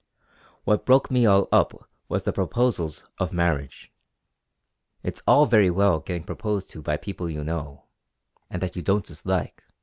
What broke me all up was the proposals of marriage! It's all very well getting proposed to by people you know, and that you don't dislike.